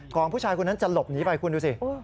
ของผู้ชายคนนั้นจะหลบหนีไปคุณดูสิ